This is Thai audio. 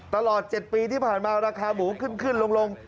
ตลอด๗ปีที่ผ่านมาราคาหมูขึ้นขึ้นลง